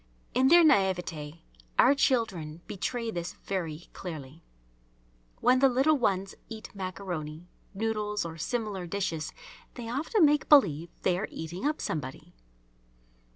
In their naïveté our children betray this very clearly. When the little ones eat maccaroni, noodles, or similar dishes, they often make believe they are eating up somebody.